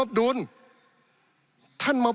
ปี๑เกณฑ์ทหารแสน๒